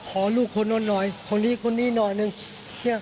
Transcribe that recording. ขอลูกคนนั้นหน่อยคนนี้คนนี้หน่อยนึงเนี่ย